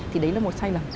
thì đấy là một sai lầm